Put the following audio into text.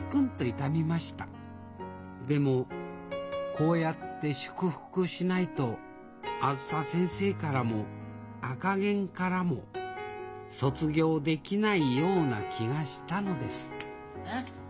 でもこうやって祝福しないとあづさ先生からも赤ゲンからも卒業できないような気がしたのですあっ